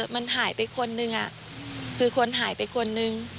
มันหายไปคนนึงคือคนหายไปคนนึง